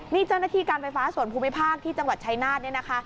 นี่เจ้าหน้าที่การไฟฟ้าส่วนภูมิภาคที่จังหวัดชายนาฏเนี่ยนะคะ